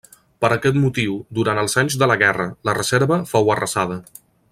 Per aquest motiu, durant els anys de la guerra la reserva fou arrasada.